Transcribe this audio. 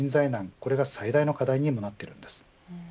これが最大の課題になっています。